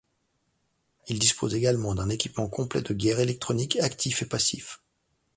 Il dispose également d’un équipement complet de guerre électronique actif et passif.